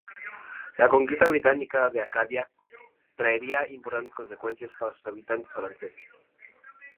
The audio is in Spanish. La conquista británica de Acadia traería importantes consecuencias para sus habitantes franceses.